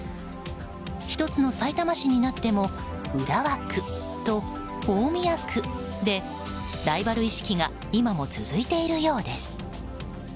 １つのさいたま市になっても浦和区と大宮区でライバル意識が今も続いているようです。